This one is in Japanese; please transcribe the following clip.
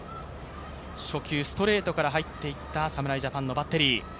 初球ストレートから入っていった侍ジャパンのバッテリー。